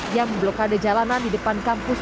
yang memblokade jalanan di depan kampus